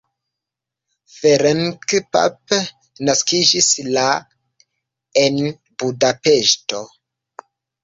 Ferenc Papp naskiĝis la en Budapeŝto.